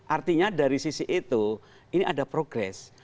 artinya dari sisi itu ini ada progres